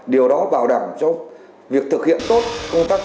điều đó bảo đảm cho việc thực hiện tốt công tác